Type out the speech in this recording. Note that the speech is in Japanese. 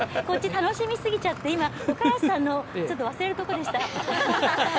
こっち楽しみすぎちゃって今、岡安さんの忘れるとこでした。